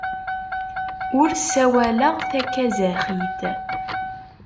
Ur ssawaleɣ takazaxit.